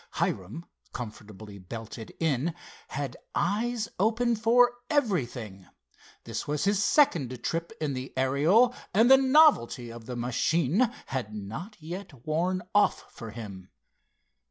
Hiram comfortably belted in, had eyes open for everything. This was his second trip in the Ariel, and the novelty of the machine had not yet worn off for him.